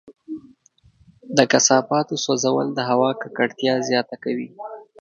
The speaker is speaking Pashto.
د کثافاتو سوځول د هوا ککړتیا زیاته کوي.